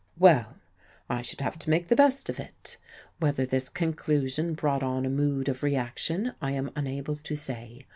Well, I should have to make the best of it. Whether this conclusion brought on a mood of reaction, I am unable to say.